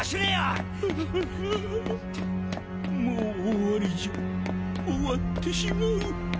もう終わりじゃ終わってしまう。